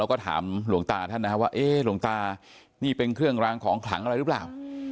ก็ถามหลวงตาท่านนะครับว่าเอ๊ะหลวงตานี่เป็นเครื่องรางของขลังอะไรหรือเปล่า